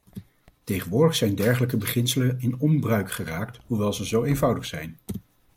Tegenwoordig zijn dergelijke beginselen in onbruik geraakt, hoewel ze zo eenvoudig zijn.